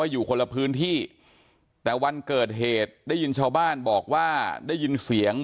อย่างฆ่ากันตายแบบนี้